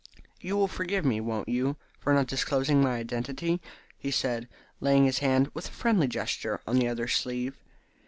"You will forgive me, won't you, for not disclosing my identity?" he said, laying his hand with a friendly gesture upon the other's sleeve.